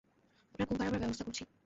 আপনার ঘুম পাড়াবার ব্যবস্থা করছি।